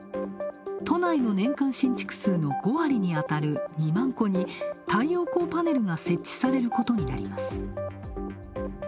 都内の年間新築数の５割にあたる２万戸に太陽光パネルが設置されることになります。